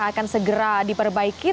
akan segera diperbaiki